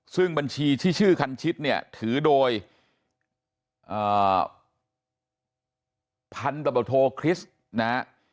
ซึ่งบัญชีที่ชื่อคันชิดเนี่ยถือโดยพันธบทโทคริสต์นะฮะ